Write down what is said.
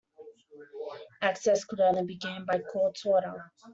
Access could only be gained by court order.